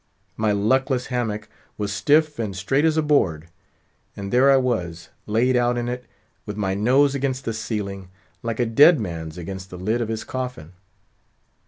My luckless hammock was stiff and straight as a board; and there I was—laid out in it, with my nose against the ceiling, like a dead man's against the lid of his coffin.